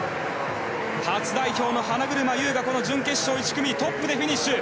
初代表の花車優が準決勝１組トップでフィニッシュ。